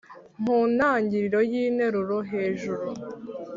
Mu ntangiriro y’interuro hejuru